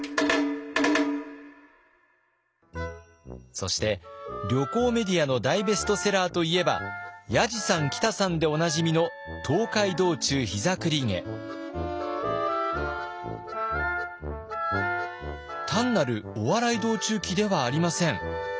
そして旅行メディアの大ベストセラーといえばやじさんきたさんでおなじみの単なるお笑い道中記ではありません。